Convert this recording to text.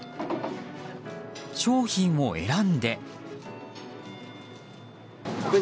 商品を選んで。